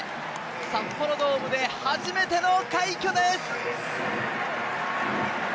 札幌ドームで初めての快挙です！